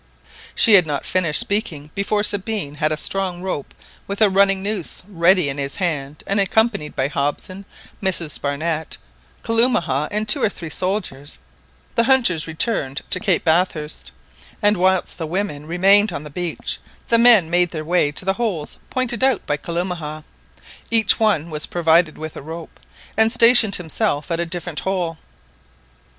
She had not finished speaking before Sabine had a strong rope with a running noose ready in his hand and accompanied by Hobson, Mrs Barnett, Kalumah, and two or three soldiers, the hunters hurried to Cape Bathurst, and whilst the women remained on the beach, the men made their way to the holes pointed out by Kalumah. Each one was provided with a rope, and stationed himself at a different hole.